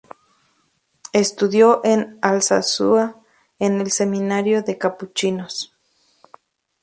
Estudió en Alsasua, en el seminario de Capuchinos.